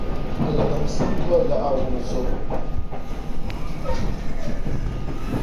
Tibiginsim dolila a wunzobo.